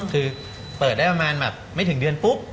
คือเปิดได้ประมาณแบบไม่ถึงเดือนปุ๊บ